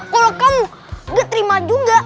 kalau kamu gak terima juga